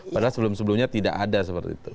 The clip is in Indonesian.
padahal sebelum sebelumnya tidak ada seperti itu